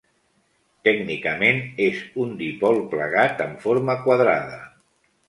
Tècnicament és un dipol plegat amb forma quadrada.